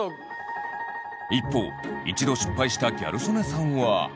一方一度失敗したギャル曽根さんは。